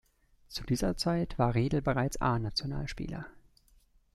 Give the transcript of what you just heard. Zu dieser Zeit war Riedel bereits A-Nationalspieler.